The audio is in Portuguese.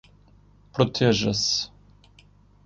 Proteja-se